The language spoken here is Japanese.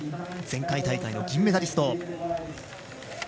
前回大会の銀メダリスト。